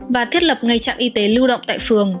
và thiết lập ngay trạm y tế lưu động tại phường